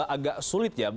agak sulit ya